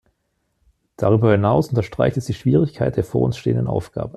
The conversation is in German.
Darüber hinaus unterstreicht es die Schwierigkeit der vor uns stehenden Aufgabe.